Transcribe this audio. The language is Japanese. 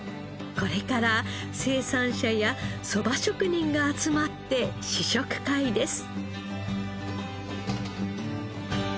これから生産者やそば職人が集まって試食会です。